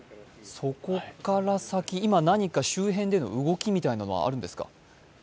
今、何か周辺での動きみたいなのはあるんですか？